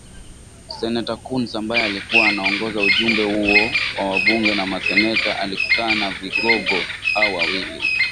Seneta Coons ambaye alikuwa anaongoza ujumbe huo wa wabunge na maseneta alikutana na vigogo hao wawili